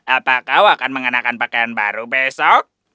apa kau akan mengenakan pakaian baru besok